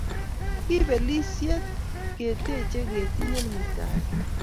Kapelisiet keteche ketinyei nuitaet